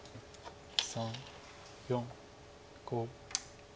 ３４５。